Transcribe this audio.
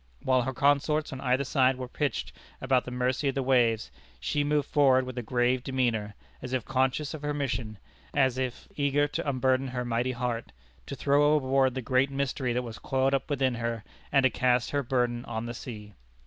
While her consorts on either side were pitched about at the mercy of the waves, she moved forward with a grave demeanor, as if conscious of her mission, or as if eager to unburden her mighty heart, to throw overboard the great mystery that was coiled up within her, and to cast her burden on the sea.